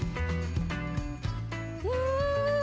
うん！